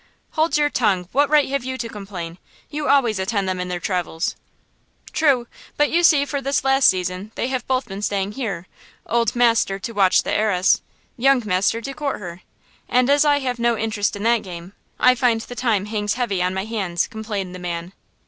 "Hold your tongue! What right have you to complain? You always attend them in their travels!" "True, but you see for this last season they have both been staying here, old master to watch the heiress, young master to court her, and as I have no interest in that game, I find the time hangs heavy on my hands," complained the man.